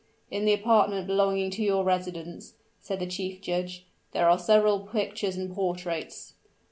"In an apartment belonging to your residence," said the chief judge, "there are several pictures and portraits."